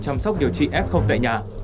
chăm sóc điều trị f tại nhà